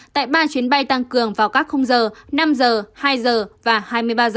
tại ba chuyến bay tăng cường vào các h năm h hai h và hai mươi ba h